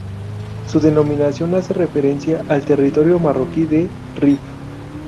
Su denominación hace referencia al territorio marroquí de Rif.